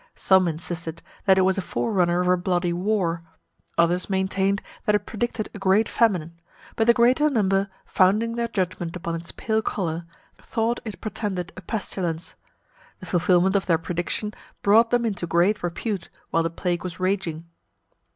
Some insisted that it was a forerunner of a bloody war; others maintained that it predicted a great famine; but the greater number, founding their judgment upon its pale colour, thought it portended a pestilence. The fulfilment of their prediction brought them into great repute while the plague was raging.